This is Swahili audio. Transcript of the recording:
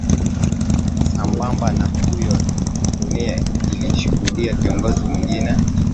sambabmba na huyo dunia ilishuhudia kiongozi mwingine